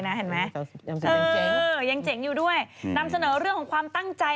เห็นไหมยังเจ๋งอยู่ด้วยนำเสนอเรื่องของความตั้งใจ